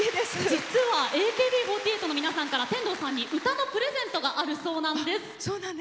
慈雨はＡＫＢ４８の皆さんから天童さんに歌のプレゼントがあるそうです。